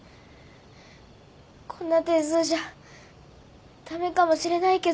こんな点数じゃダメかもしれないけど。